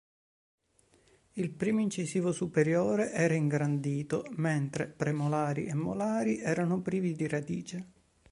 Il primo incisivo superiore era ingrandito, mentre premolari e molari erano privi di radice.